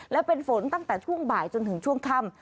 และเป็นฝนตั้งแต่ช่วงบ่ายจนถึงช่วงค่ำ